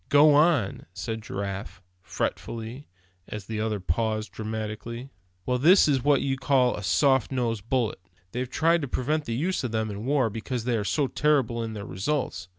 "Go on!" said Giraffe, fretfully, as the other paused, dramatically. "Well, this is what they call a soft nosed bullet. They've tried to prevent the use of them in war, because they are so terrible in their results.